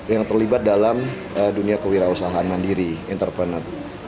yang terlibat dalam dunia kewirausahaan mandiri entrepreneur